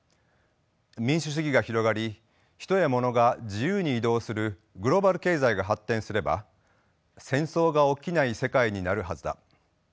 民主主義が広がり人やものが自由に移動するグローバル経済が発展すれば戦争が起きない世界になるはずだ。